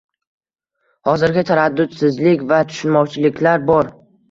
Hozirgi taraddudsizlik va tushunmovchiliklar bor.